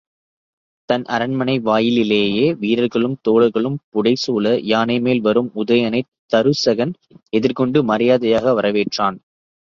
தன் அரண்மனை வாயிலிலேயே வீரர்களும் தோழர்களும் புடைசூழ யானைமேல் வரும் உதயணனைத் தருசகன் எதிர்கொண்டு மரியாதையாக வரவேற்றான்.